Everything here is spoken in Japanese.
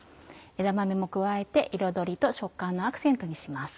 枝豆も加えて彩りと食感のアクセントにします。